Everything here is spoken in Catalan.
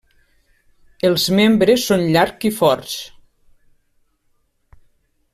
Els membres són llarg i forts.